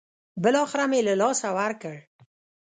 بالاخره مې له لاسه ورکړ.